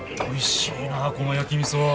おいしいなあこの焼きみそ。